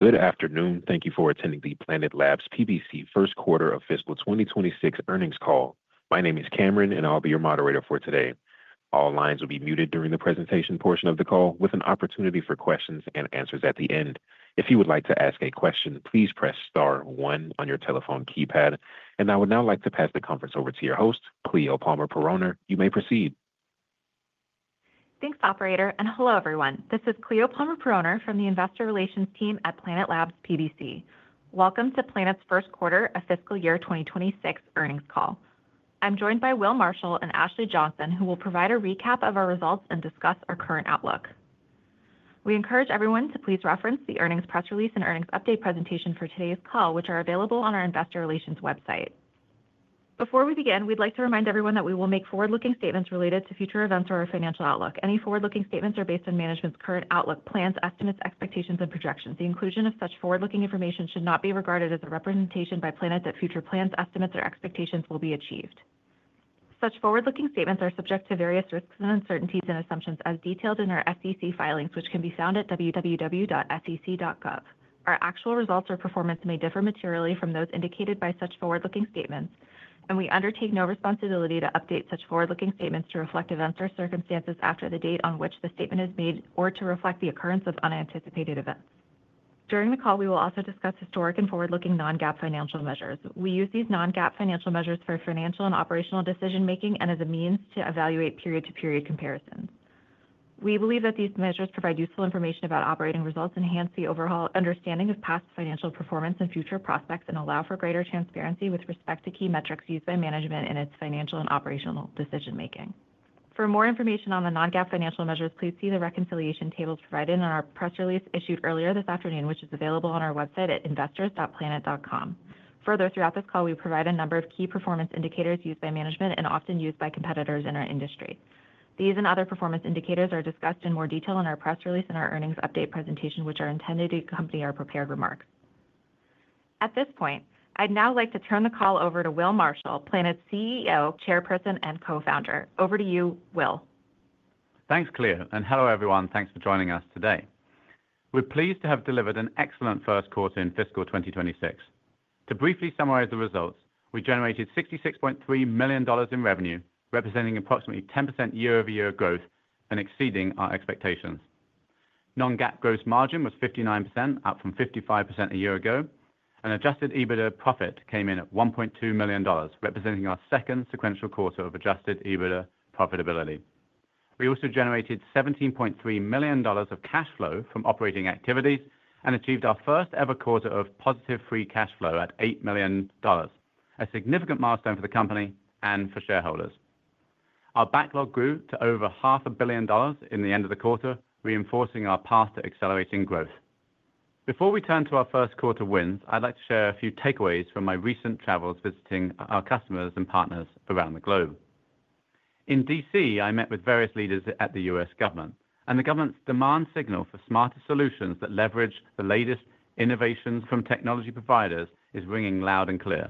Good afternoon. Thank you for attending the Planet Labs PBC first quarter of fiscal 2026 earnings call. My name is Cameron, and I'll be your moderator for today. All lines will be muted during the presentation portion of the call, with an opportunity for questions and answers at the end. If you would like to ask a question, please press star one on your telephone keypad. I would now like to pass the conference over to your host, Cleo Palmer-Poroner. You may proceed. Thanks, operator. Hello, everyone. This is Cleo Palmer-Poroner from the investor relations team at Planet Labs PBC. Welcome to Planet's first quarter of fiscal year 2026 earnings call. I'm joined by Will Marshall and Ashley Johnson, who will provide a recap of our results and discuss our current outlook. We encourage everyone to please reference the earnings press release and earnings update presentation for today's call, which are available on our investor relations website. Before we begin, we'd like to remind everyone that we will make forward-looking statements related to future events or our financial outlook. Any forward-looking statements are based on management's current outlook, plans, estimates, expectations, and projections. The inclusion of such forward-looking information should not be regarded as a representation by Planet that future plans, estimates, or expectations will be achieved. Such forward-looking statements are subject to various risks and uncertainties and assumptions, as detailed in our SEC filings, which can be found at www.sec.gov. Our actual results or performance may differ materially from those indicated by such forward-looking statements, and we undertake no responsibility to update such forward-looking statements to reflect events or circumstances after the date on which the statement is made or to reflect the occurrence of unanticipated events. During the call, we will also discuss historic and forward-looking non-GAAP financial measures. We use these non-GAAP financial measures for financial and operational decision-making and as a means to evaluate period-to-period comparisons. We believe that these measures provide useful information about operating results, enhance the overall understanding of past financial performance and future prospects, and allow for greater transparency with respect to key metrics used by management in its financial and operational decision-making. For more information on the non-GAAP financial measures, please see the reconciliation tables provided in our press release issued earlier this afternoon, which is available on our website at investors.planet.com. Further, throughout this call, we provide a number of key performance indicators used by management and often used by competitors in our industry. These and other performance indicators are discussed in more detail in our press release and our earnings update presentation, which are intended to accompany our prepared remarks. At this point, I'd now like to turn the call over to Will Marshall, Planet's CEO, Chairperson, and Co-founder. Over to you, Will. Thanks, Cleo. And hello, everyone. Thanks for joining us today. We're pleased to have delivered an excellent first quarter in fiscal 2026. To briefly summarize the results, we generated $66.3 million in revenue, representing approximately 10% year-over-year growth and exceeding our expectations. Non-GAAP gross margin was 59%, up from 55% a year ago, and adjusted EBITDA profit came in at $1.2 million, representing our second sequential quarter of adjusted EBITDA profitability. We also generated $17.3 million of cash flow from operating activities and achieved our first-ever quarter of positive free cash flow at $8 million, a significant milestone for the company and for shareholders. Our backlog grew to over half a billion dollars in the end of the quarter, reinforcing our path to accelerating growth. Before we turn to our first quarter wins, I'd like to share a few takeaways from my recent travels visiting our customers and partners around the globe. In D.C., I met with various leaders at the U.S. government, and the government's demand signal for smarter solutions that leverage the latest innovations from technology providers is ringing loud and clear.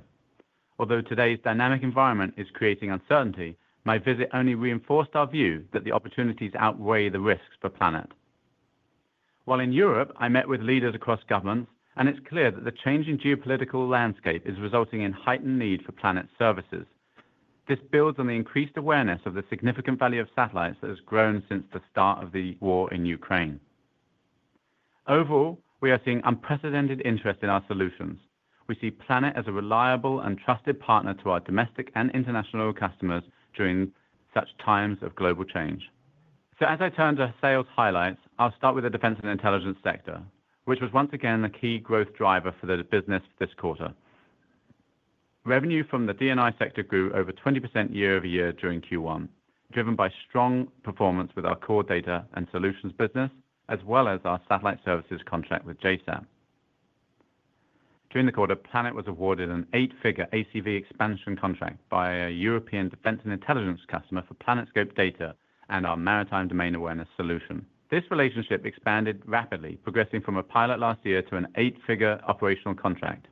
Although today's dynamic environment is creating uncertainty, my visit only reinforced our view that the opportunities outweigh the risks for Planet. While in Europe, I met with leaders across governments, and it's clear that the changing geopolitical landscape is resulting in heightened need for Planet's services. This builds on the increased awareness of the significant value of satellites that has grown since the start of the war in Ukraine. Overall, we are seeing unprecedented interest in our solutions. We see Planet as a reliable and trusted partner to our domestic and international customers during such times of global change. As I turn to sales highlights, I'll start with the defense and intelligence sector, which was once again a key growth driver for the business this quarter. Revenue from the DNI sector grew over 20% year-over-year during Q1, driven by strong performance with our core data and solutions business, as well as our satellite services contract with JSAT. During the quarter, Planet was awarded an eight-figure ACV expansion contract by a European defense and intelligence customer for PlanetScope data and our Maritime Domain Awareness solution. This relationship expanded rapidly, progressing from a pilot last year to an eight-figure operational contract.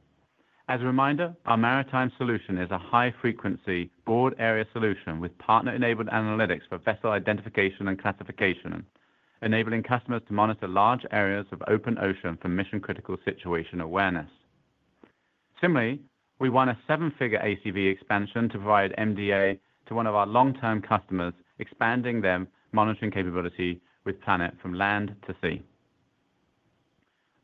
As a reminder, our maritime solution is a high-frequency broad-area solution with partner-enabled analytics for vessel identification and classification, enabling customers to monitor large areas of open ocean for mission-critical situation awareness. Similarly, we won a seven-figure ACV expansion to provide MDA to one of our long-term customers, expanding their monitoring capability with Planet from land to sea.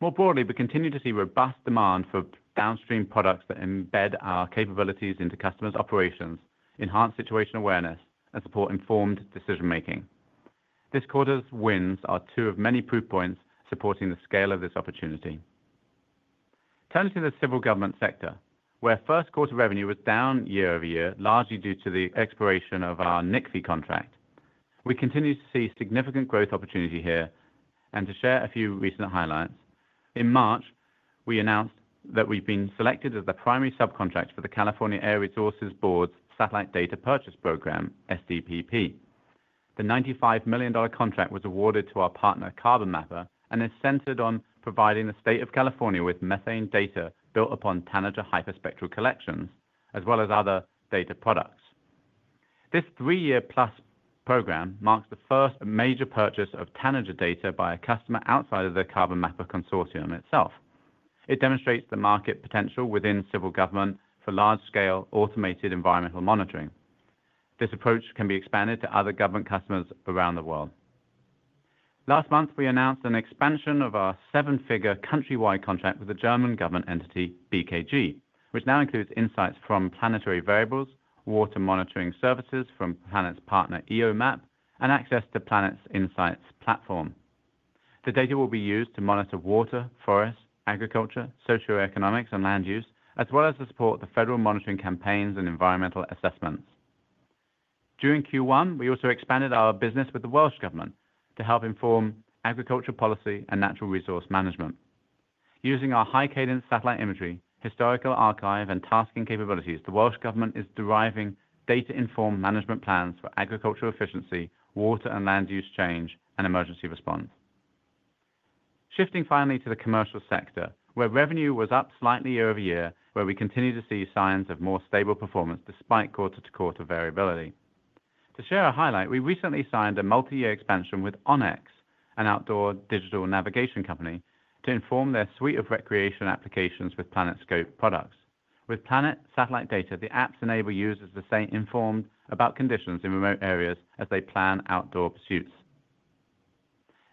More broadly, we continue to see robust demand for downstream products that embed our capabilities into customers' operations, enhance situation awareness, and support informed decision-making. This quarter's wins are two of many proof points supporting the scale of this opportunity. Turning to the civil government sector, where first quarter revenue was down year-over-year, largely due to the expiration of our NICFI contract, we continue to see significant growth opportunity here. To share a few recent highlights, in March, we announced that we've been selected as the primary subcontractor for the California Air Resources Board's satellite data purchase program, SDPP. The $95 million contract was awarded to our partner, Carbon Mapper, and is centered on providing the state of California with methane data built upon Tanager hyperspectral collections, as well as other data products. This three-year-plus program marks the first major purchase of Tanager data by a customer outside of the Carbon Mapper consortium itself. It demonstrates the market potential within civil government for large-scale automated environmental monitoring. This approach can be expanded to other government customers around the world. Last month, we announced an expansion of our seven-figure countrywide contract with the German government entity BKG, which now includes insights from planetary variables, water monitoring services from Planet's partner, EOMAP, and access to Planet's Insights platform. The data will be used to monitor water, forests, agriculture, socioeconomics, and land use, as well as to support the federal monitoring campaigns and environmental assessments. During Q1, we also expanded our business with the Welsh government to help inform agriculture policy and natural resource management. Using our high-cadence satellite imagery, historical archive, and tasking capabilities, the Welsh government is deriving data-informed management plans for agricultural efficiency, water and land use change, and emergency response. Shifting finally to the commercial sector, where revenue was up slightly year-over-year, we continue to see signs of more stable performance despite quarter-to-quarter variability. To share a highlight, we recently signed a multi-year expansion with onX, an outdoor digital navigation company, to inform their suite of recreation applications with PlanetScope products. With Planet satellite data, the apps enable users to stay informed about conditions in remote areas as they plan outdoor pursuits.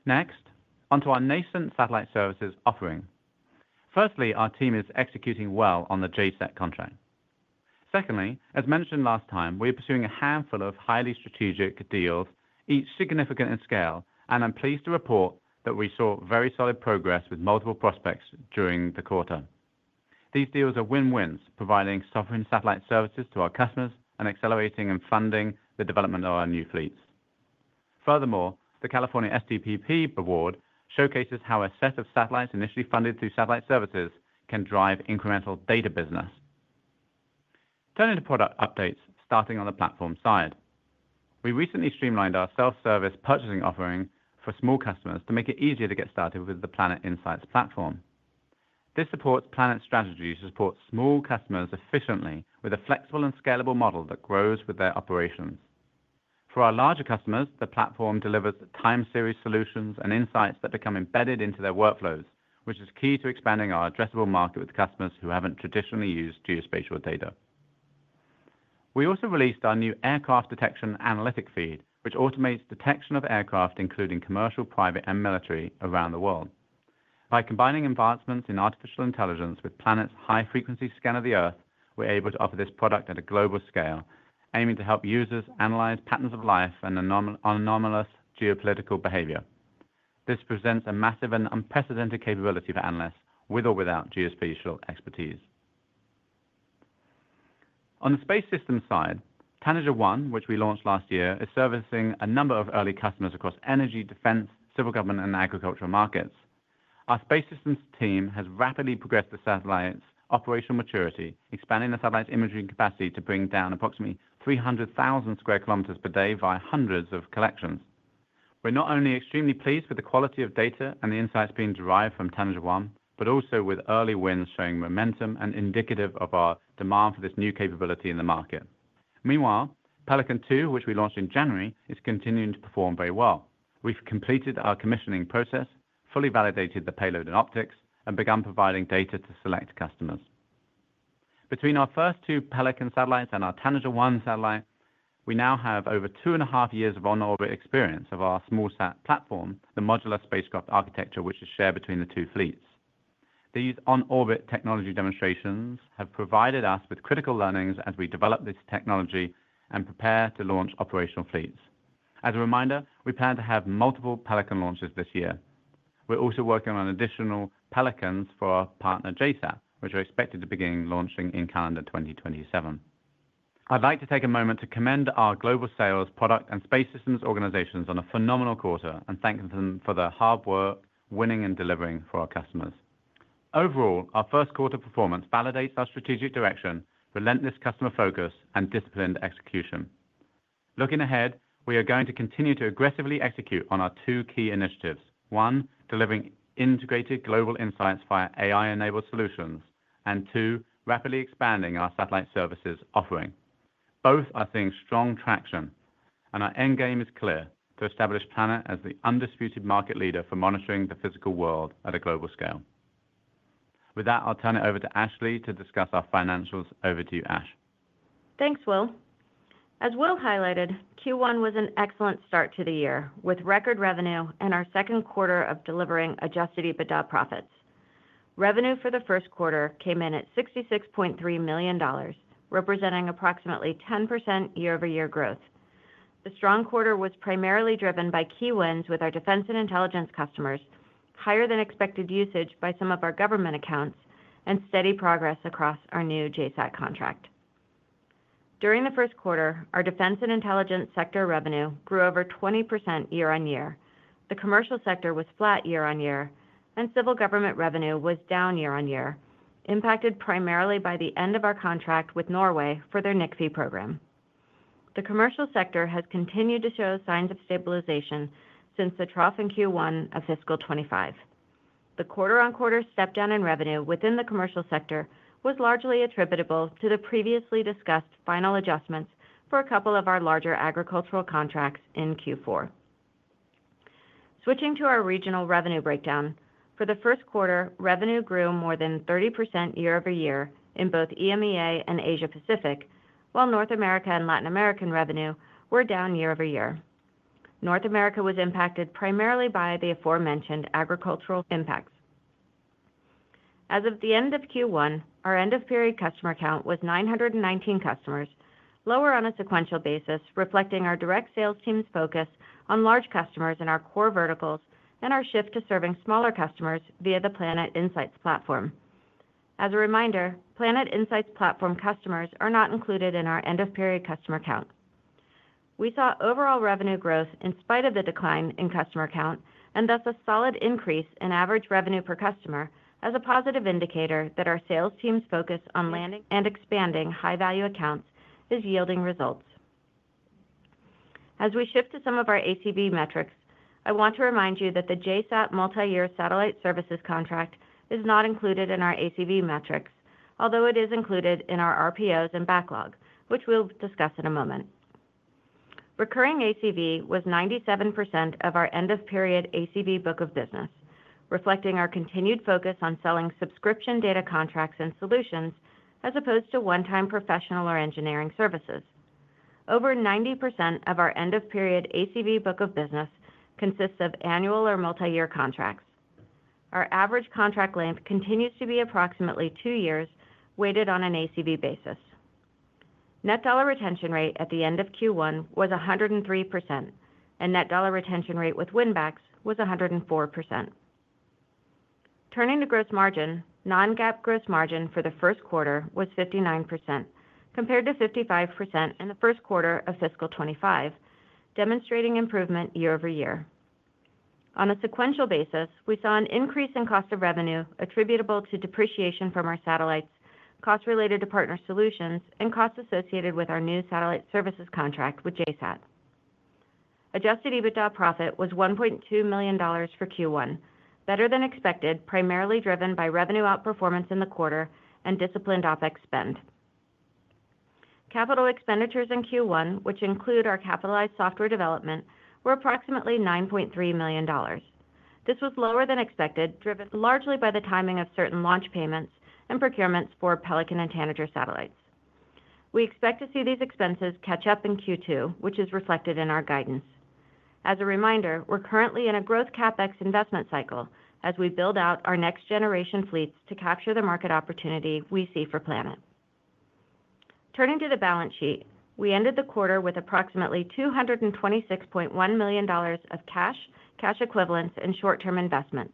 Next, onto our nascent satellite services offering. Firstly, our team is executing well on the JSAT contract. Secondly, as mentioned last time, we are pursuing a handful of highly strategic deals, each significant in scale, and I'm pleased to report that we saw very solid progress with multiple prospects during the quarter. These deals are win-wins, providing sovereign satellite services to our customers and accelerating and funding the development of our new fleets. Furthermore, the California SDPP award showcases how a set of satellites initially funded through satellite services can drive incremental data business. Turning to product updates, starting on the platform side, we recently streamlined our self-service purchasing offering for small customers to make it easier to get started with the Planet Insights platform. This supports Planet's strategy to support small customers efficiently with a flexible and scalable model that grows with their operations. For our larger customers, the platform delivers time-series solutions and insights that become embedded into their workflows, which is key to expanding our addressable market with customers who have not traditionally used geospatial data. We also released our new aircraft detection analytic feed, which automates detection of aircraft, including commercial, private, and military around the world. By combining advancements in artificial intelligence with Planet's high-frequency scan of the Earth, we are able to offer this product at a global scale, aiming to help users analyze patterns of life and anomalous geopolitical behavior. This presents a massive and unprecedented capability for analysts with or without geospatial expertise. On the space system side, Tanager One, which we launched last year, is servicing a number of early customers across energy, defense, civil government, and agricultural markets. Our space systems team has rapidly progressed the satellite's operational maturity, expanding the satellite's imaging capacity to bring down approximately 300,000 sq. km per day via hundreds of collections. We're not only extremely pleased with the quality of data and the insights being derived from Tanager One, but also with early wins showing momentum and indicative of our demand for this new capability in the market. Meanwhile, Pelican Two, which we launched in January, is continuing to perform very well. We've completed our commissioning process, fully validated the payload and optics, and begun providing data to select customers. Between our first two Pelican satellites and our Tanager One satellite, we now have over two and a half years of on-orbit experience of our small sat platform, the modular spacecraft architecture, which is shared between the two fleets. These on-orbit technology demonstrations have provided us with critical learnings as we develop this technology and prepare to launch operational fleets. As a reminder, we plan to have multiple Pelican launches this year. We're also working on additional Pelicans for our partner, JSAT, which are expected to begin launching in calendar 2027. I'd like to take a moment to commend our global sales, product, and space systems organizations on a phenomenal quarter and thank them for the hard work, winning, and delivering for our customers. Overall, our first quarter performance validates our strategic direction, relentless customer focus, and disciplined execution. Looking ahead, we are going to continue to aggressively execute on our two key initiatives: one, delivering integrated global insights via AI-enabled solutions, and two, rapidly expanding our satellite services offering. Both are seeing strong traction, and our end game is clear: to establish Planet as the undisputed market leader for monitoring the physical world at a global scale. With that, I'll turn it over to Ashley to discuss our financials. Over to you, Ash. Thanks, Will. As Will highlighted, Q1 was an excellent start to the year with record revenue and our second quarter of delivering adjusted EBITDA profits. Revenue for the first quarter came in at $66.3 million, representing approximately 10% year-over-year growth. The strong quarter was primarily driven by key wins with our defense and intelligence customers, higher-than-expected usage by some of our government accounts, and steady progress across our new JSAT contract. During the first quarter, our defense and intelligence sector revenue grew over 20% year-on-year. The commercial sector was flat year-on-year, and civil government revenue was down year-on-year, impacted primarily by the end of our contract with Norway for their NICFI program. The commercial sector has continued to show signs of stabilization since the trough in Q1 of fiscal 2025. The quarter-on-quarter step-down in revenue within the commercial sector was largely attributable to the previously discussed final adjustments for a couple of our larger agricultural contracts in Q4. Switching to our regional revenue breakdown, for the first quarter, revenue grew more than 30% year-over-year in both EMEA and Asia-Pacific, while North America and Latin America revenue were down year-over-year. North America was impacted primarily by the aforementioned agricultural impacts. As of the end of Q1, our end-of-period customer count was 919 customers, lower on a sequential basis, reflecting our direct sales team's focus on large customers in our core verticals and our shift to serving smaller customers via the Planet Insights platform. As a reminder, Planet Insights platform customers are not included in our end-of-period customer count. We saw overall revenue growth in spite of the decline in customer count, and thus a solid increase in average revenue per customer as a positive indicator that our sales team's focus on landing and expanding high-value accounts is yielding results. As we shift to some of our ACV metrics, I want to remind you that the JSAT multi-year satellite services contract is not included in our ACV metrics, although it is included in our RPOs and backlog, which we'll discuss in a moment. Recurring ACV was 97% of our end-of-period ACV book of business, reflecting our continued focus on selling subscription data contracts and solutions as opposed to one-time professional or engineering services. Over 90% of our end-of-period ACV book of business consists of annual or multi-year contracts. Our average contract length continues to be approximately two years weighted on an ACV basis. Net dollar retention rate at the end of Q1 was 103%, and net dollar retention rate with win-backs was 104%. Turning to gross margin, non-GAAP gross margin for the first quarter was 59%, compared to 55% in the first quarter of fiscal 2025, demonstrating improvement year-over-year. On a sequential basis, we saw an increase in cost of revenue attributable to depreciation from our satellites, costs related to partner solutions, and costs associated with our new satellite services contract with JSAT. Adjusted EBITDA profit was $1.2 million for Q1, better than expected, primarily driven by revenue outperformance in the quarter and disciplined OPEX spend. Capital expenditures in Q1, which include our capitalized software development, were approximately $9.3 million. This was lower than expected, driven largely by the timing of certain launch payments and procurements for Pelican and Tanager satellites. We expect to see these expenses catch up in Q2, which is reflected in our guidance. As a reminder, we're currently in a growth CapEx investment cycle as we build out our next-generation fleets to capture the market opportunity we see for Planet. Turning to the balance sheet, we ended the quarter with approximately $226.1 million of cash, cash equivalents, and short-term investments,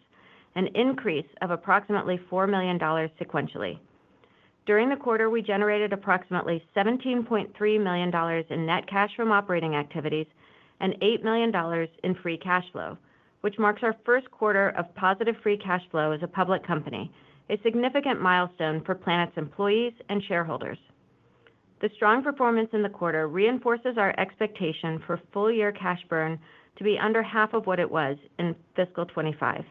an increase of approximately $4 million sequentially. During the quarter, we generated approximately $17.3 million in net cash from operating activities and $8 million in free cash flow, which marks our first quarter of positive free cash flow as a public company, a significant milestone for Planet's employees and shareholders. The strong performance in the quarter reinforces our expectation for full-year cash burn to be under half of what it was in fiscal 2025.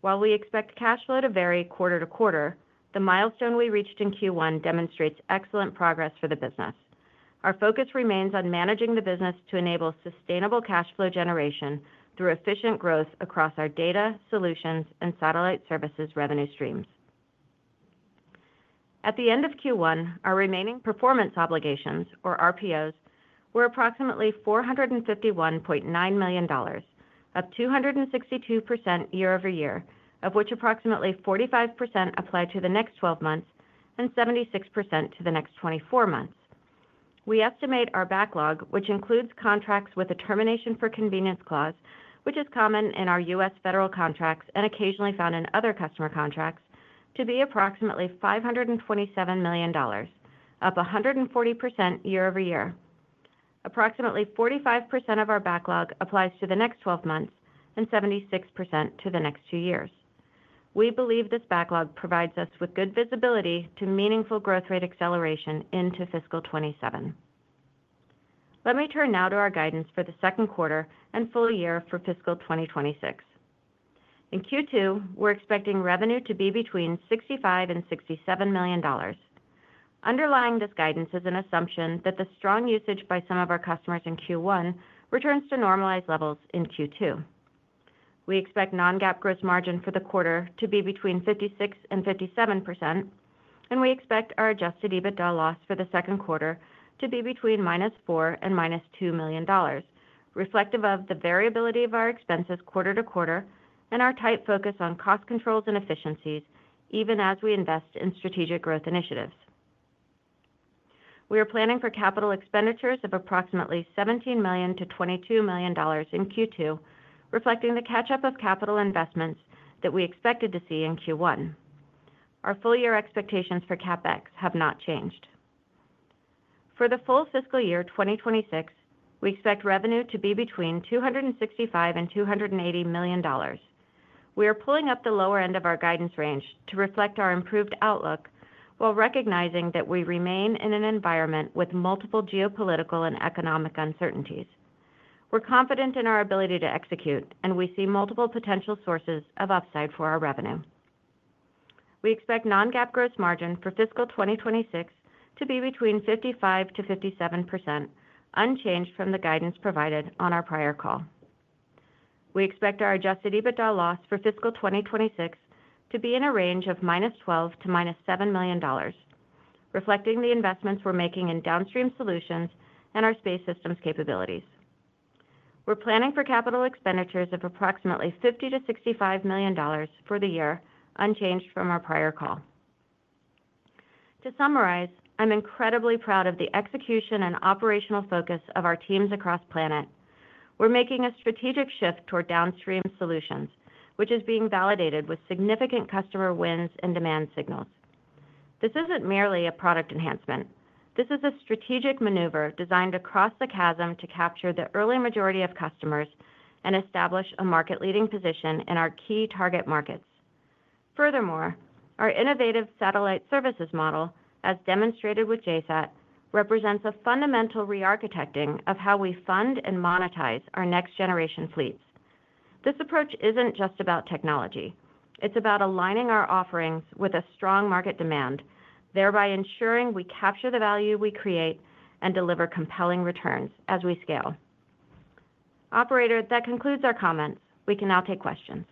While we expect cash flow to vary quarter to quarter, the milestone we reached in Q1 demonstrates excellent progress for the business. Our focus remains on managing the business to enable sustainable cash flow generation through efficient growth across our data, solutions, and satellite services revenue streams. At the end of Q1, our remaining performance obligations, or RPOs, were approximately $451.9 million, up 262% year-over-year, of which approximately 45% apply to the next 12 months and 76% to the next 24 months. We estimate our backlog, which includes contracts with a termination for convenience clause, which is common in our U.S. federal contracts and occasionally found in other customer contracts, to be approximately $527 million, up 140% year-over-year. Approximately 45% of our backlog applies to the next 12 months and 76% to the next two years. We believe this backlog provides us with good visibility to meaningful growth rate acceleration into fiscal 2027. Let me turn now to our guidance for the second quarter and full year for fiscal 2026. In Q2, we're expecting revenue to be between $65 million and $67 million. Underlying this guidance is an assumption that the strong usage by some of our customers in Q1 returns to normalized levels in Q2. We expect non-GAAP gross margin for the quarter to be between 56% and 57%, and we expect our adjusted EBITDA loss for the second quarter to be between minus $4 million and minus $2 million, reflective of the variability of our expenses quarter to quarter and our tight focus on cost controls and efficiencies, even as we invest in strategic growth initiatives. We are planning for capital expenditures of approximately $17 million-$22 million in Q2, reflecting the catch-up of capital investments that we expected to see in Q1. Our full-year expectations for CapEx have not changed. For the full fiscal year 2026, we expect revenue to be between $265 million and $280 million. We are pulling up the lower end of our guidance range to reflect our improved outlook while recognizing that we remain in an environment with multiple geopolitical and economic uncertainties. We're confident in our ability to execute, and we see multiple potential sources of upside for our revenue. We expect non-GAAP gross margin for fiscal 2026 to be between 55%-57%, unchanged from the guidance provided on our prior call. We expect our adjusted EBITDA loss for fiscal 2026 to be in a range of minus $12 million to minus $7 million, reflecting the investments we're making in downstream solutions and our space systems capabilities. We're planning for capital expenditures of approximately $50 million-$65 million for the year, unchanged from our prior call. To summarize, I'm incredibly proud of the execution and operational focus of our teams across Planet. We're making a strategic shift toward downstream solutions, which is being validated with significant customer wins and demand signals. This isn't merely a product enhancement. This is a strategic maneuver designed across the chasm to capture the early majority of customers and establish a market-leading position in our key target markets. Furthermore, our innovative satellite services model, as demonstrated with JSAT, represents a fundamental re-architecting of how we fund and monetize our next-generation fleets. This approach isn't just about technology. It's about aligning our offerings with a strong market demand, thereby ensuring we capture the value we create and deliver compelling returns as we scale. Operator, that concludes our comments. We can now take questions.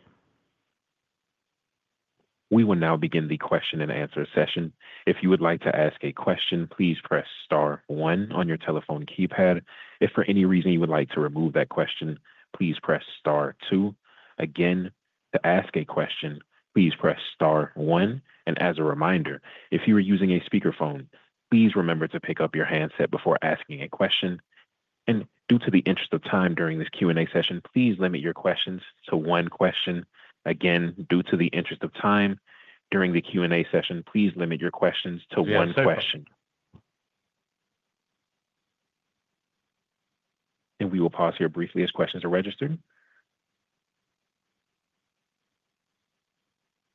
We will now begin the question and answer session. If you would like to ask a question, please press Star 1 on your telephone keypad. If for any reason you would like to remove that question, please press Star 2. Again, to ask a question, please press Star 1. As a reminder, if you are using a speakerphone, please remember to pick up your handset before asking a question. Due to the interest of time during this Q&A session, please limit your questions to one question. Again, due to the interest of time during the Q&A session, please limit your questions to one question. We will pause here briefly as questions are registered.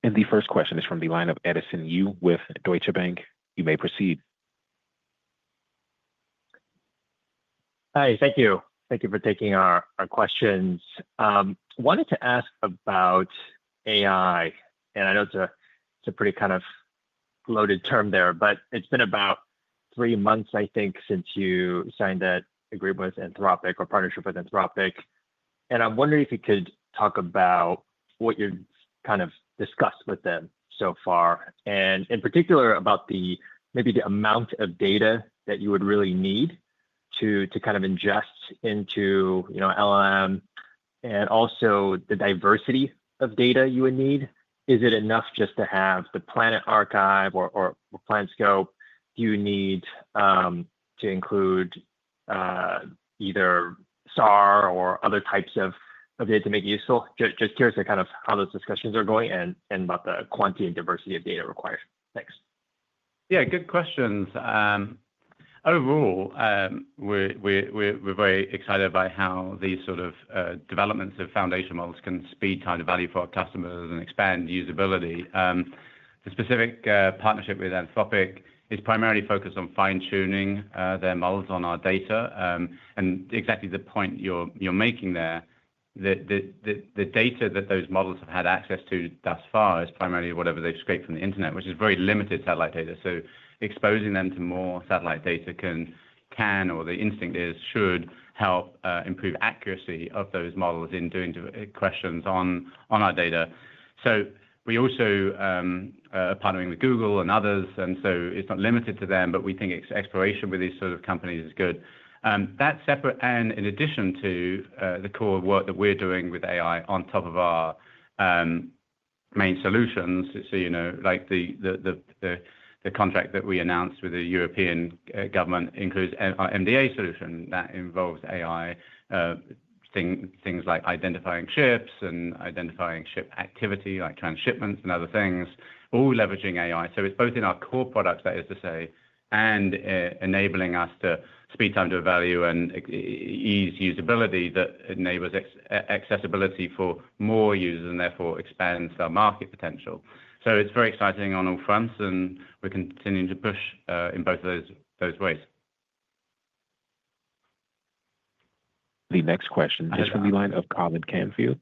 The first question is from the line of Edison Yu with Deutsche Bank. You may proceed. Hi, thank you. Thank you for taking our questions. I wanted to ask about AI, and I know it's a pretty kind of loaded term there, but it's been about three months, I think, since you signed that agreement with Anthropic or partnership with Anthropic. I am wondering if you could talk about what you've kind of discussed with them so far, and in particular about maybe the amount of data that you would really need to kind of ingest into LLM and also the diversity of data you would need. Is it enough just to have the Planet Archive or PlanetScope? Do you need to include either SAR or other types of data to make it useful? Just curious of kind of how those discussions are going and about the quantity and diversity of data required. Thanks. Yeah, good questions. Overall, we're very excited by how these sort of developments of foundation models can speed time to value for our customers and expand usability. The specific partnership with Anthropic is primarily focused on fine-tuning their models on our data. Exactly the point you're making there, the data that those models have had access to thus far is primarily whatever they've scraped from the internet, which is very limited satellite data. Exposing them to more satellite data can, or the instinct is, should help improve accuracy of those models in doing questions on our data. We also are partnering with Google and others, and it is not limited to them, but we think exploration with these sort of companies is good. That's separate. In addition to the core work that we're doing with AI on top of our main solutions, like the contract that we announced with the European government includes our MDA solution that involves AI, things like identifying ships and identifying ship activity, like transshipments and other things, all leveraging AI. It is both in our core products, that is to say, and enabling us to speed time to value and ease usability that enables accessibility for more users and therefore expands our market potential. It is very exciting on all fronts, and we're continuing to push in both of those ways. The next question is from the line of Colin Canfield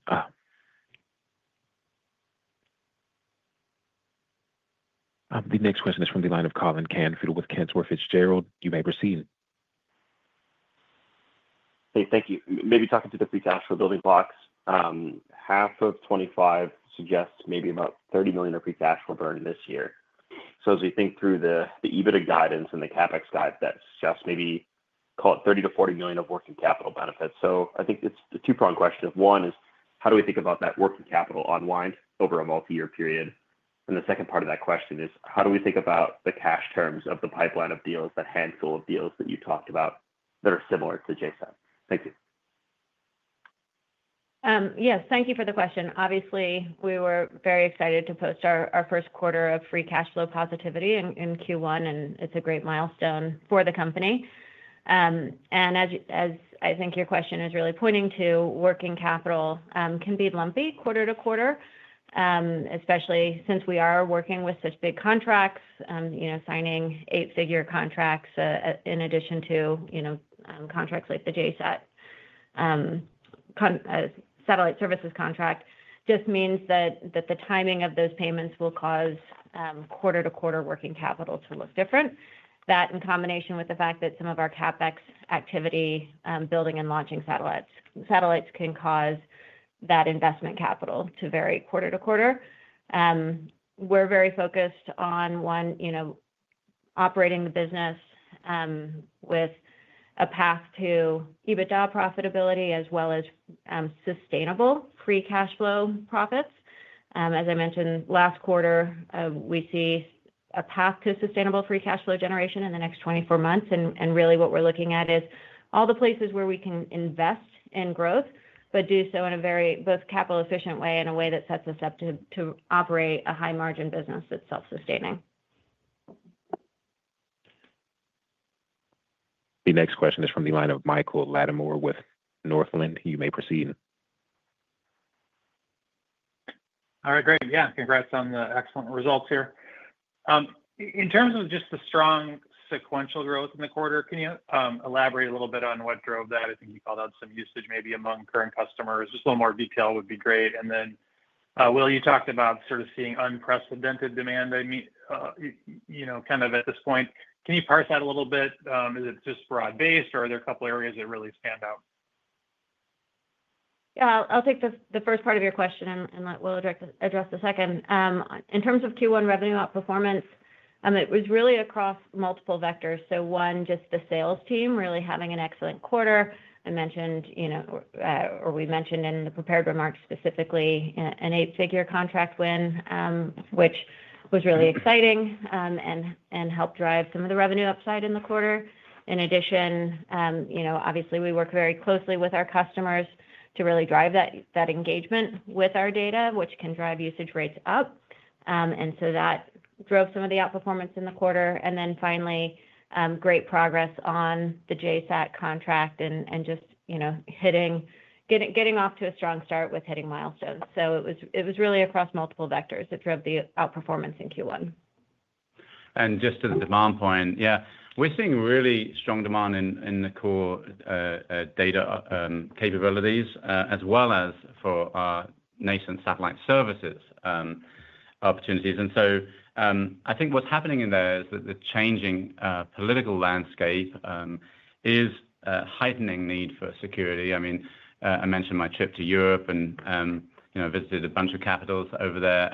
with Cantor Fitzgerald. You may proceed. Hey, thank you. Maybe talking to the pre-cash for building blocks, half of 2025 suggests maybe about $30 million of pre-cash will burn this year. As we think through the EBITDA guidance and the CapEx guide, that's just maybe call it $30-$40 million of working capital benefits. I think it's a two-pronged question. One is, how do we think about that working capital unwind over a multi-year period? The second part of that question is, how do we think about the cash terms of the pipeline of deals, that handful of deals that you talked about that are similar to JSAT? Thank you. Yes, thank you for the question. Obviously, we were very excited to post our first quarter of free cash flow positivity in Q1, and it's a great milestone for the company. As I think your question is really pointing to, working capital can be lumpy quarter to quarter, especially since we are working with such big contracts, signing eight-figure contracts in addition to contracts like the JSAT satellite services contract, just means that the timing of those payments will cause quarter to quarter working capital to look different. That in combination with the fact that some of our CapEx activity, building and launching satellites, can cause that investment capital to vary quarter to quarter. We're very focused on, one, operating the business with a path to EBITDA profitability as well as sustainable free cash flow profits. As I mentioned last quarter, we see a path to sustainable free cash flow generation in the next 24 months. Really what we're looking at is all the places where we can invest in growth, but do so in a very both capital-efficient way and a way that sets us up to operate a high-margin business that's self-sustaining. The next question is from the line of Michael Latimore with Northland. You may proceed. All right, great. Yeah, congrats on the excellent results here. In terms of just the strong sequential growth in the quarter, can you elaborate a little bit on what drove that? I think you called out some usage maybe among current customers. Just a little more detail would be great. Will, you talked about sort of seeing unprecedented demand, I mean, kind of at this point. Can you parse that a little bit? Is it just broad-based, or are there a couple of areas that really stand out? Yeah, I'll take the first part of your question and Will address the second. In terms of Q1 revenue outperformance, it was really across multiple vectors. One, just the sales team really having an excellent quarter. I mentioned, or we mentioned in the prepared remarks specifically, an eight-figure contract win, which was really exciting and helped drive some of the revenue upside in the quarter. In addition, obviously, we work very closely with our customers to really drive that engagement with our data, which can drive usage rates up. That drove some of the outperformance in the quarter. Finally, great progress on the JSAT contract and just getting off to a strong start with hitting milestones. It was really across multiple vectors that drove the outperformance in Q1. Just to the demand point, yeah, we're seeing really strong demand in the core data capabilities, as well as for our nascent satellite services opportunities. I think what's happening in there is that the changing political landscape is a heightening need for security. I mean, I mentioned my trip to Europe and visited a bunch of capitals over there.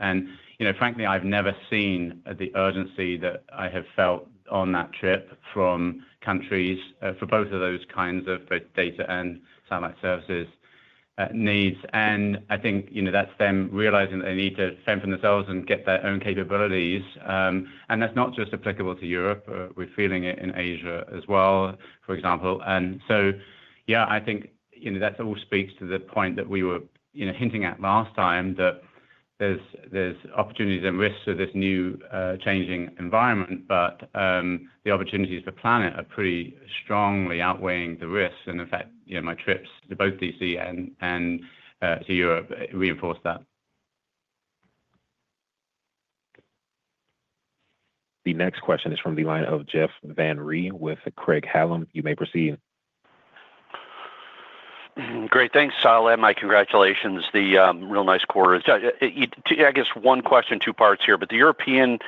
Frankly, I've never seen the urgency that I have felt on that trip from countries for both of those kinds of both data and satellite services needs. I think that's them realizing that they need to fend for themselves and get their own capabilities. That's not just applicable to Europe. We're feeling it in Asia as well, for example. Yeah, I think that all speaks to the point that we were hinting at last time, that there's opportunities and risks of this new changing environment, but the opportunities for Planet are pretty strongly outweighing the risks. In fact, my trips to both D.C. and to Europe reinforce that. The next question is from the line of Jeff Van Rhee with Craig-Hallum. You may proceed. Great. Thanks, Sailem. My congratulations. A real nice quarter. I guess one question, two parts here, but the European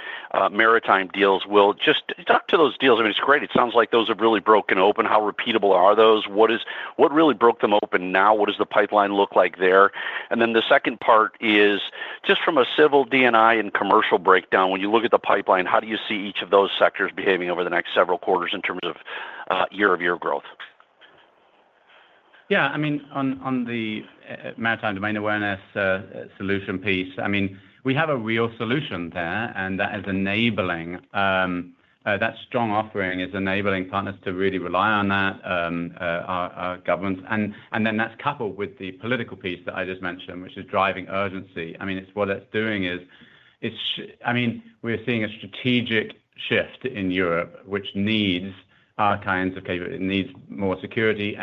maritime deals, Will, just talk to those deals. I mean, it's great. It sounds like those have really broken open. How repeatable are those? What really broke them open now? What does the pipeline look like there? The second part is just from a civil D&I and commercial breakdown, when you look at the pipeline, how do you see each of those sectors behaving over the next several quarters in terms of year-over-year growth? Yeah, I mean, on the Maritime Domain Awareness solution piece, I mean, we have a real solution there, and that is enabling. That strong offering is enabling partners to really rely on that, our governments. That is coupled with the political piece that I just mentioned, which is driving urgency. I mean, what it's doing is, I mean, we're seeing a strategic shift in Europe, which needs our kinds of capabilities. It needs more security.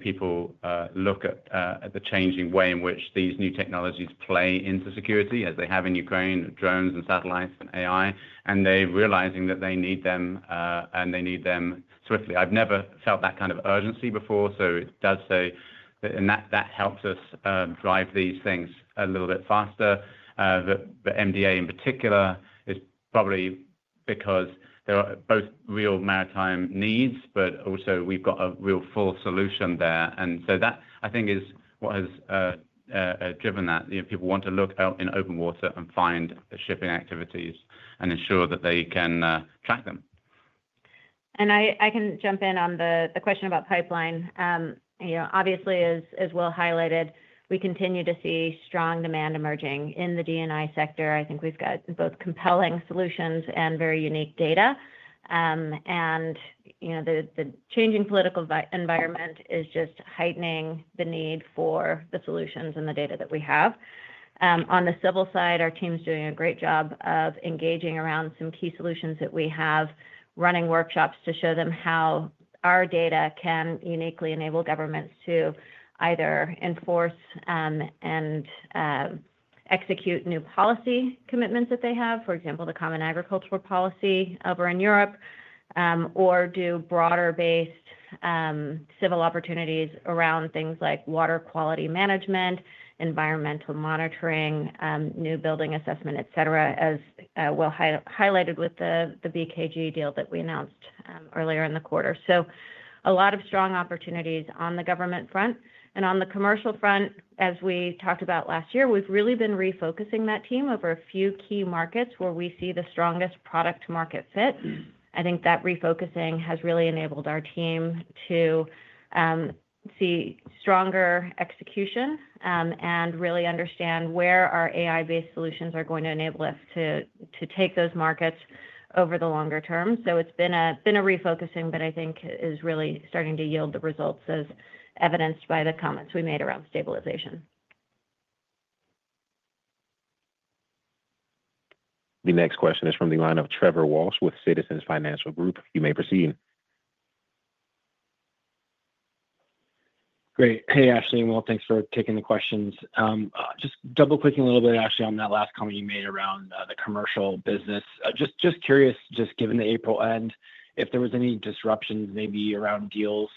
People look at the changing way in which these new technologies play into security, as they have in Ukraine, drones and satellites and AI, and they're realizing that they need them and they need them swiftly. I've never felt that kind of urgency before. It does say that that helps us drive these things a little bit faster. MDA in particular is probably because there are both real maritime needs, but also we've got a real full solution there. That, I think, is what has driven that. People want to look out in open water and find the shipping activities and ensure that they can track them. I can jump in on the question about pipeline. Obviously, as Will highlighted, we continue to see strong demand emerging in the D&I sector. I think we've got both compelling solutions and very unique data. The changing political environment is just heightening the need for the solutions and the data that we have. On the civil side, our team's doing a great job of engaging around some key solutions that we have, running workshops to show them how our data can uniquely enable governments to either enforce and execute new policy commitments that they have, for example, the common agricultural policy over in Europe, or do broader-based civil opportunities around things like water quality management, environmental monitoring, new building assessment, etc., as Will highlighted with the BKG deal that we announced earlier in the quarter. A lot of strong opportunities on the government front. On the commercial front, as we talked about last year, we've really been refocusing that team over a few key markets where we see the strongest product-to-market fit. I think that refocusing has really enabled our team to see stronger execution and really understand where our AI-based solutions are going to enable us to take those markets over the longer term. It has been a refocusing that I think is really starting to yield the results as evidenced by the comments we made around stabilization. The next question is from the line of Trevor Walsh with Citizens Financial Group. You may proceed. Great. Hey, Ashley. Thanks for taking the questions. Just double-clicking a little bit, Ashley, on that last comment you made around the commercial business. Just curious, just given the April end, if there was any disruptions maybe around deals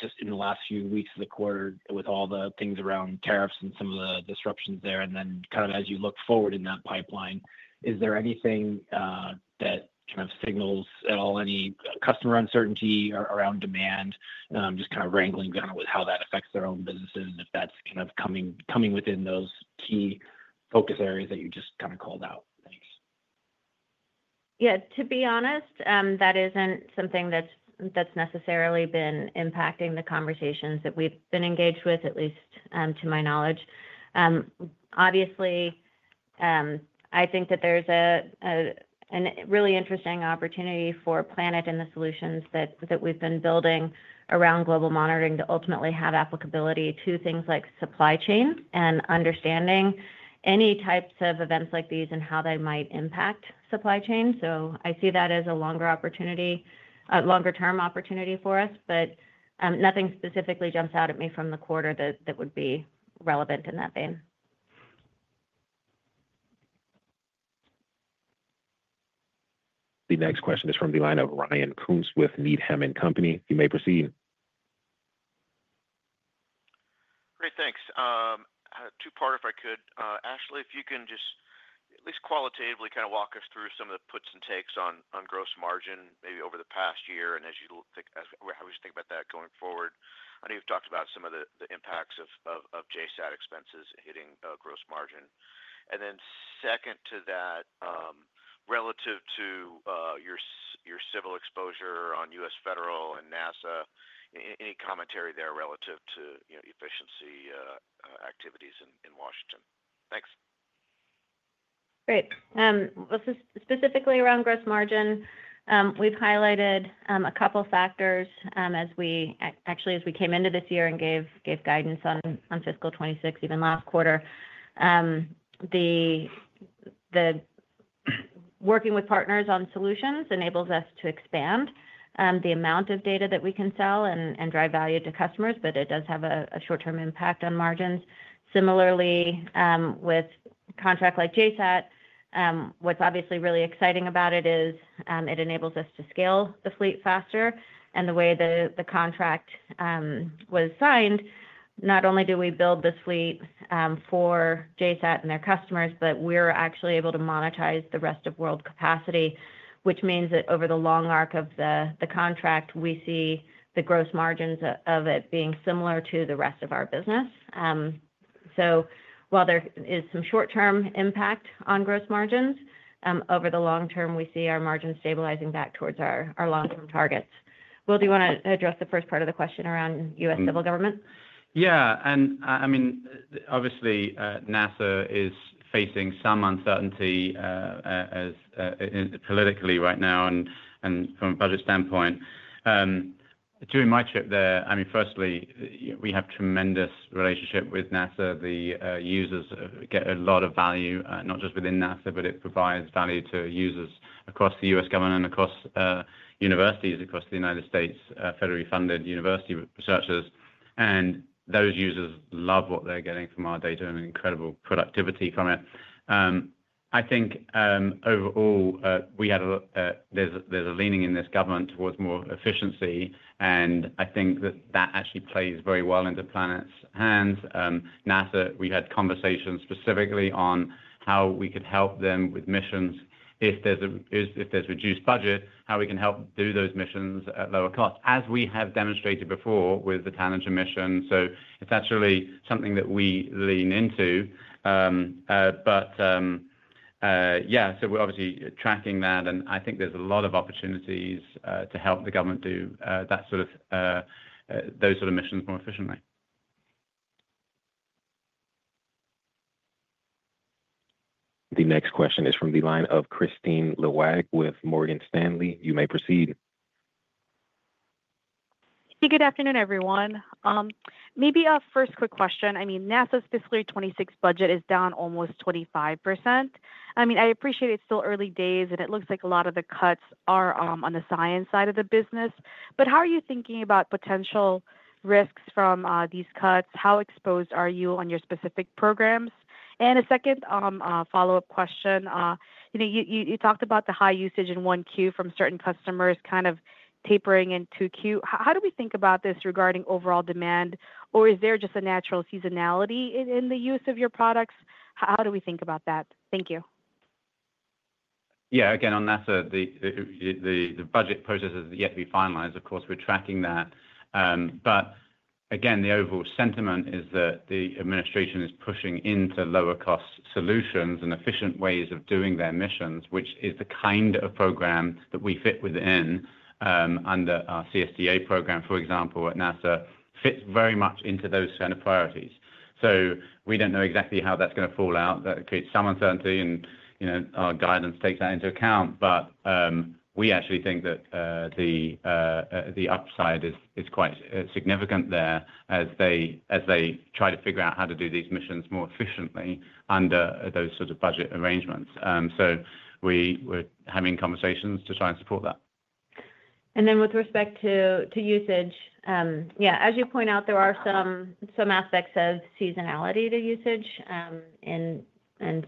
just in the last few weeks of the quarter with all the things around tariffs and some of the disruptions there, and then kind of as you look forward in that pipeline, is there anything that kind of signals at all any customer uncertainty around demand, just kind of wrangling with how that affects their own businesses, if that's kind of coming within those key focus areas that you just kind of called out? Thanks. Yeah, to be honest, that isn't something that's necessarily been impacting the conversations that we've been engaged with, at least to my knowledge. Obviously, I think that there's a really interesting opportunity for Planet and the solutions that we've been building around global monitoring to ultimately have applicability to things like supply chain and understanding any types of events like these and how they might impact supply chain. I see that as a longer opportunity, a longer-term opportunity for us, but nothing specifically jumps out at me from the quarter that would be relevant in that vein. The next question is from the line of Ryan Koontz with Needham & Company. You may proceed. Great. Thanks. Two-part if I could. Ashley, if you can just at least qualitatively kind of walk us through some of the puts and takes on gross margin maybe over the past year and how we should think about that going forward. I know you've talked about some of the impacts of JSAT expenses hitting gross margin. Then second to that, relative to your civil exposure on U.S. Federal and NASA, any commentary there relative to efficiency activities in Washington? Thanks. Great. Specifically around gross margin, we've highlighted a couple of factors as we actually, as we came into this year and gave guidance on fiscal 2026, even last quarter. The working with partners on solutions enables us to expand the amount of data that we can sell and drive value to customers, but it does have a short-term impact on margins. Similarly, with a contract like JSAT, what's obviously really exciting about it is it enables us to scale the fleet faster. The way the contract was signed, not only do we build this fleet for JSAT and their customers, but we're actually able to monetize the rest of world capacity, which means that over the long arc of the contract, we see the gross margins of it being similar to the rest of our business. While there is some short-term impact on gross margins, over the long term, we see our margins stabilizing back towards our long-term targets. Will, do you want to address the first part of the question around U.S. civil government? Yeah. I mean, obviously, NASA is facing some uncertainty politically right now and from a budget standpoint. During my trip there, I mean, firstly, we have a tremendous relationship with NASA. The users get a lot of value, not just within NASA, but it provides value to users across the U.S. government and across universities, across the United States, federally funded university researchers. Those users love what they're getting from our data and incredible productivity from it. I think overall, we had a, there's a leaning in this government towards more efficiency. I think that that actually plays very well into Planet's hands. NASA, we had conversations specifically on how we could help them with missions. If there's a reduced budget, how we can help do those missions at lower cost, as we have demonstrated before with the Challenger mission. It is actually something that we lean into. Yeah, we are obviously tracking that. I think there are a lot of opportunities to help the government do those sorts of missions more efficiently. The next question is from the line of Kristine Liwag with Morgan Stanley. You may proceed. Hey, good afternoon, everyone. Maybe a first quick question. I mean, NASA's fiscal year 2026 budget is down almost 25%. I mean, I appreciate it's still early days, and it looks like a lot of the cuts are on the science side of the business. How are you thinking about potential risks from these cuts? How exposed are you on your specific programs? A second follow-up question. You talked about the high usage in Q1 from certain customers kind of tapering into Q2. How do we think about this regarding overall demand? Or is there just a natural seasonality in the use of your products? How do we think about that? Thank you. Yeah. Again, on NASA, the budget process has yet to be finalized. Of course, we're tracking that. The overall sentiment is that the administration is pushing into lower-cost solutions and efficient ways of doing their missions, which is the kind of program that we fit within under our CSDA program, for example, at NASA, fits very much into those kind of priorities. We do not know exactly how that's going to fall out. That creates some uncertainty, and our guidance takes that into account. We actually think that the upside is quite significant there as they try to figure out how to do these missions more efficiently under those sort of budget arrangements. We are having conversations to try and support that. With respect to usage, yeah, as you point out, there are some aspects of seasonality to usage in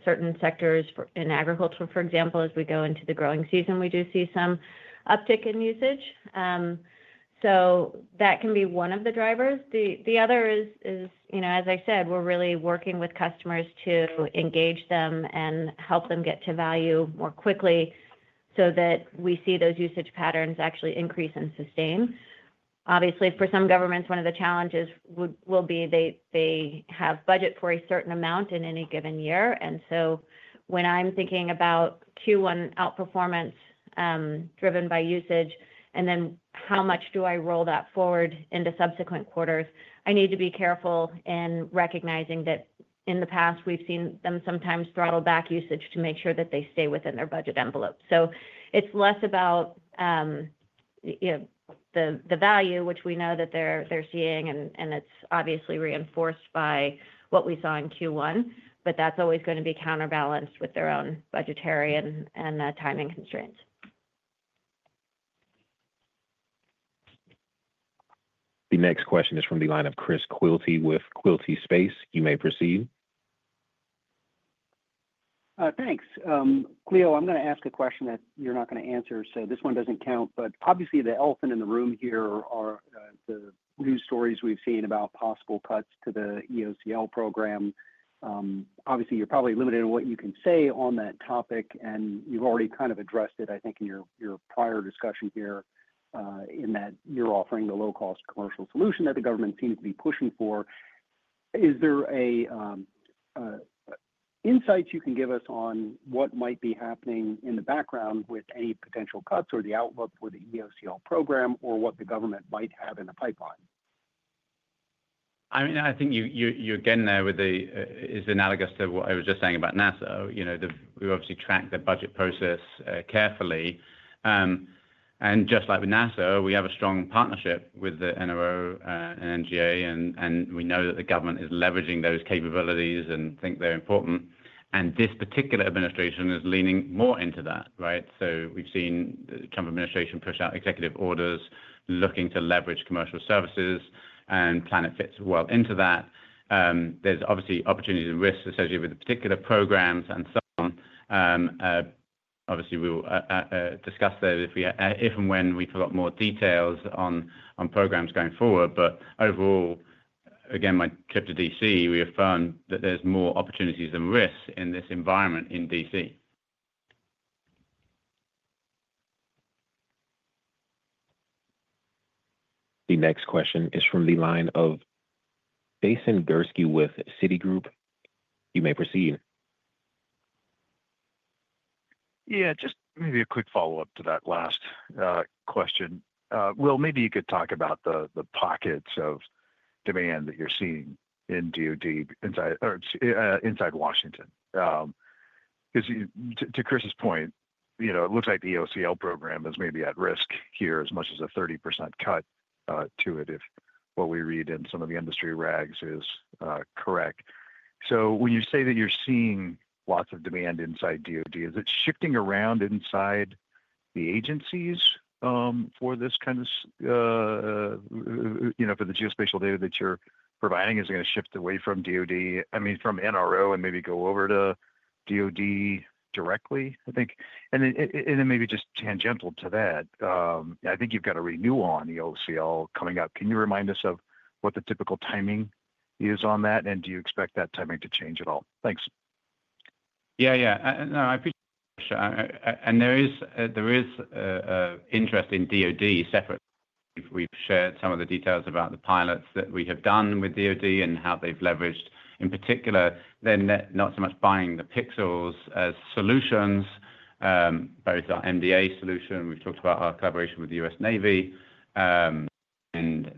certain sectors in agriculture. For example, as we go into the growing season, we do see some uptick in usage. That can be one of the drivers. The other is, as I said, we're really working with customers to engage them and help them get to value more quickly so that we see those usage patterns actually increase and sustain. Obviously, for some governments, one of the challenges will be they have budget for a certain amount in any given year. When I'm thinking about Q1 outperformance driven by usage, and then how much do I roll that forward into subsequent quarters, I need to be careful in recognizing that in the past, we've seen them sometimes throttle back usage to make sure that they stay within their budget envelope. It is less about the value, which we know that they're seeing, and it's obviously reinforced by what we saw in Q1, but that's always going to be counterbalanced with their own budgetary and timing constraints. The next question is from the line of Chris Quilty with Quilty Space. You may proceed. Thanks. Cleo, I'm going to ask a question that you're not going to answer, so this one doesn't count. Obviously, the elephant in the room here are the news stories we've seen about possible cuts to the EOCL program. Obviously, you're probably limited in what you can say on that topic, and you've already kind of addressed it, I think, in your prior discussion here in that you're offering the low-cost commercial solution that the government seems to be pushing for. Is there insights you can give us on what might be happening in the background with any potential cuts or the outlook for the EOCL program or what the government might have in the pipeline? I mean, I think you're getting there with the is analogous to what I was just saying about NASA. We obviously track the budget process carefully. Just like with NASA, we have a strong partnership with the NRO and NGA, and we know that the government is leveraging those capabilities and think they're important. This particular administration is leaning more into that, right? We've seen the Trump administration push out executive orders looking to leverage commercial services, and Planet fits well into that. There's obviously opportunities and risks associated with the particular programs and so on. Obviously, we'll discuss that if and when we put out more details on programs going forward. Overall, again, my trip to D.C., we have found that there's more opportunities than risks in this environment in D.C.. The next question is from the line of Jason Gursky with Citi Group. You may proceed. Yeah, just maybe a quick follow-up to that last question. Will, maybe you could talk about the pockets of demand that you're seeing in DOD inside Washington. To Chris's point, it looks like the EOCL program is maybe at risk here as much as a 30% cut to it if what we read in some of the industry rags is correct. So when you say that you're seeing lots of demand inside DOD, is it shifting around inside the agencies for this kind of for the geospatial data that you're providing? Is it going to shift away from DOD, I mean, from NRO and maybe go over to DOD directly, I think? And then maybe just tangential to that, I think you've got a renewal on the EOCL coming up. Can you remind us of what the typical timing is on that, and do you expect that timing to change at all? Thanks. Yeah, yeah. No, I appreciate it, Ashley. There is interest in DOD separately. We've shared some of the details about the pilots that we have done with DOD and how they've leveraged, in particular, then not so much buying the pixels as solutions, both our MDA solution. We've talked about our collaboration with the U.S. Navy. There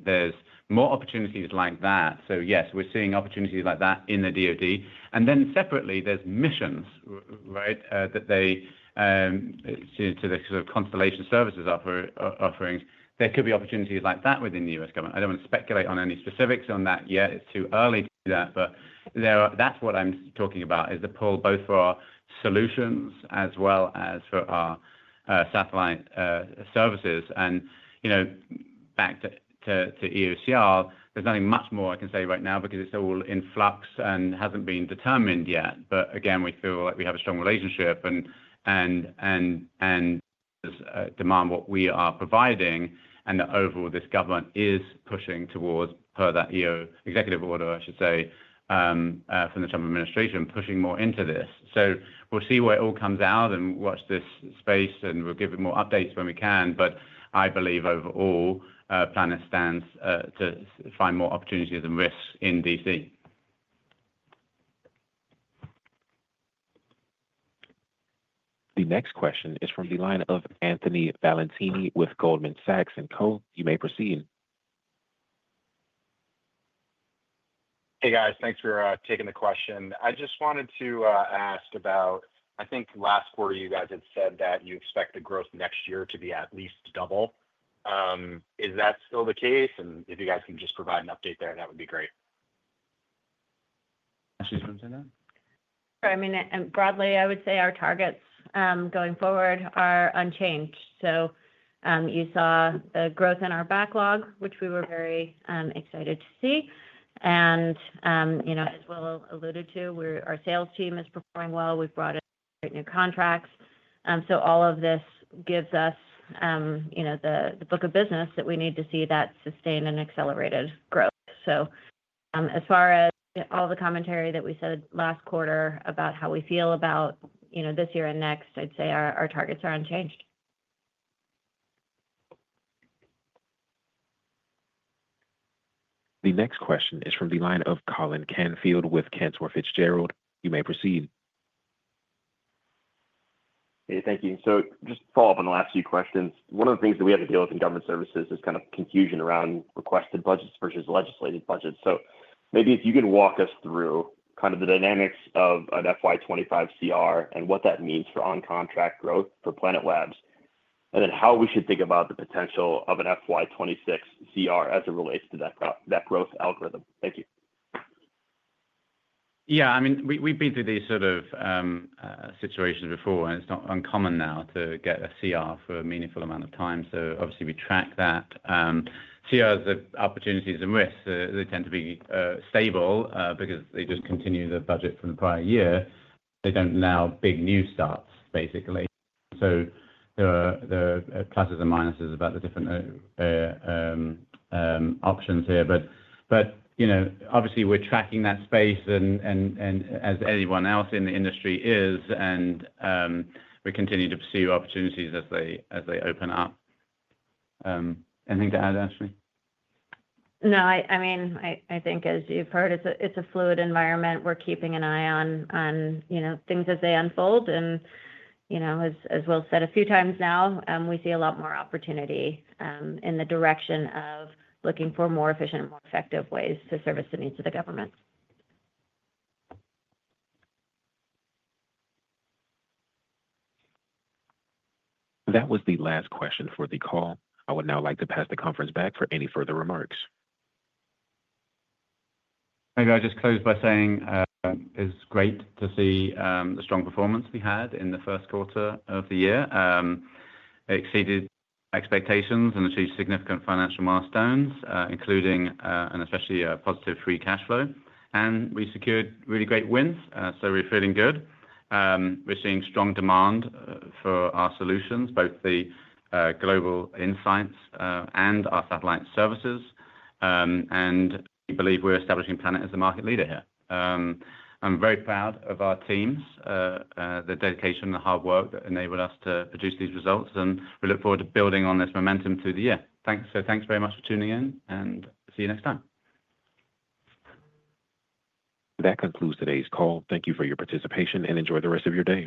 are more opportunities like that. Yes, we're seeing opportunities like that in the DOD. Separately, there are missions, right, that tie to the sort of constellation services offerings. There could be opportunities like that within the U.S. government. I do not want to speculate on any specifics on that yet. It's too early to do that. That is what I'm talking about, the pull both for our solutions as well as for our satellite services. Back to EOCL, there is nothing much more I can say right now because it is all in flux and has not been determined yet. Again, we feel like we have a strong relationship and demand for what we are providing. Overall, this government is pushing towards, per that EO executive order, I should say, from the Trump administration, pushing more into this. We will see where it all comes out and watch this space, and we will give you more updates when we can. I believe overall, Planet stands to find more opportunities and risks in D.C.. The next question is from the line of Anthony Valentini with Goldman Sachs and Co. You may proceed. Hey, guys. Thanks for taking the question. I just wanted to ask about, I think last quarter, you guys had said that you expect the growth next year to be at least double. Is that still the case? If you guys can just provide an update there, that would be great. Ashley, do you want to say that? I mean, broadly, I would say our targets going forward are unchanged. You saw the growth in our backlog, which we were very excited to see. As Will alluded to, our sales team is performing well. We have brought in great new contracts. All of this gives us the book of business that we need to see that sustained and accelerated growth. As far as all the commentary that we said last quarter about how we feel about this year and next, I would say our targets are unchanged. The next question is from the line of Colin Canfield with Cantor Fitzgerald. You may proceed. Hey, thank you. Just follow-up on the last few questions. One of the things that we have to deal with in government services is kind of confusion around requested budgets versus legislated budgets. Maybe if you could walk us through kind of the dynamics of an FY 2025 CR and what that means for on-contract growth for Planet Labs, and then how we should think about the potential of an FY 2026 CR as it relates to that growth algorithm. Thank you. Yeah. I mean, we've been through these sort of situations before, and it's not uncommon now to get a CR for a meaningful amount of time. Obviously, we track that. CRs are opportunities and risks. They tend to be stable because they just continue the budget from the prior year. They do not allow big new starts, basically. There are pluses and minuses about the different options here. Obviously, we're tracking that space as anyone else in the industry is, and we continue to pursue opportunities as they open up. Anything to add, Ashley? No, I mean, I think as you've heard, it's a fluid environment. We're keeping an eye on things as they unfold. As Will said a few times now, we see a lot more opportunity in the direction of looking for more efficient, more effective ways to service the needs of the government. That was the last question for the call. I would now like to pass the conference back for any further remarks. I'd just close by saying it's great to see the strong performance we had in the first quarter of the year. It exceeded expectations and achieved significant financial milestones, including an especially positive free cash flow. We secured really great wins. We're feeling good. We're seeing strong demand for our solutions, both the global insights and our satellite services. We believe we're establishing Planet as a market leader here. I'm very proud of our teams, the dedication, and the hard work that enabled us to produce these results. We look forward to building on this momentum through the year. Thanks very much for tuning in, and see you next time. That concludes today's call. Thank you for your participation, and enjoy the rest of your day.